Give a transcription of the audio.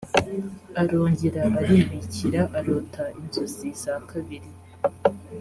arongera aribikira arota inzozi za kabiri